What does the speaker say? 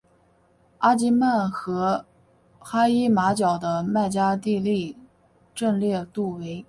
阿吉曼和哈伊马角的麦加利地震烈度为。